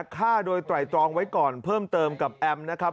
ฆ่าโดยไตรตรองไว้ก่อนเพิ่มเติมกับแอมนะครับ